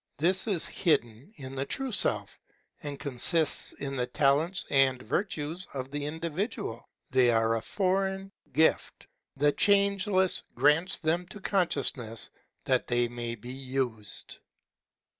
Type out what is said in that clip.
This is hidden in the true Self, and consists in the talents and virtues of the individual. They are a foreign gift. The Changeless grants them to consciousness that they may be used.